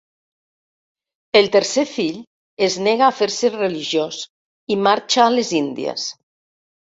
El tercer fill es nega a fer-se religiós i marxa a les Índies.